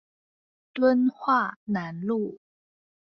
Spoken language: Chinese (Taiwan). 敦化南路